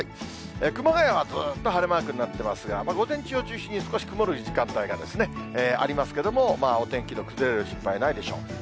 熊谷はずっと晴れマークになってますが、午前中を中心に少し曇る時間帯がありますけれども、お天気の崩れる心配ないでしょう。